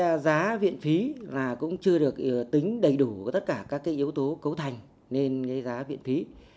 cái giá viện phí là cũng chưa được tính đầy đủ của tất cả các cái yếu tố cấu thành nên cái giá viện phí